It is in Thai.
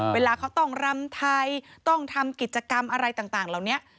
เวลาเขาต้องรำไทยต้องทำกิจกรรมอะไรต่างเหล่านี้